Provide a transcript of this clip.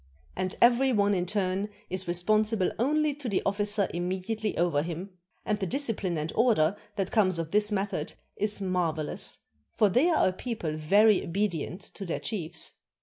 And every one in turn is re sponsible only to the officer immediately over him ; and the discipline and order that comes of this method is marvelous, for they are a people very obedient to their chiefs.